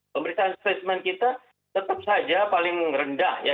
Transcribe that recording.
pemberitaan spesimen kita tetap saja paling rendah ya